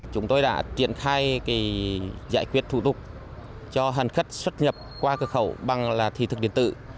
chúng tôi đã triển khai giải quyết thủ tục cho hàn khất xuất nhập qua cửa khẩu bằng thi thực điện tự